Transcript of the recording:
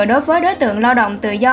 đối với đối tượng lao động tự do